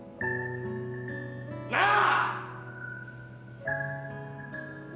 なあ！